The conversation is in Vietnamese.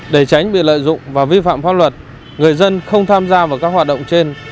để tránh bị lợi dụng và vi phạm pháp luật người dân không tham gia vào các hoạt động trên